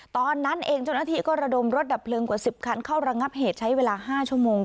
ตอนนั้นเองเจ้าหน้าที่ก็ระดมรถดับเพลิงกว่า๑๐คันเข้าระงับเหตุใช้เวลา๕ชั่วโมง